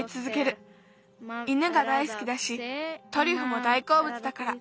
犬が大すきだしトリュフも大こうぶつだから。